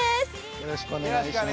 よろしくお願いします。